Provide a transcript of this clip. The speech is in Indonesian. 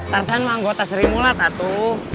tarsan menggota sri mula tatu